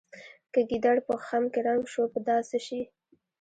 که ګیدړ په خم کې رنګ شو په دا څه شي.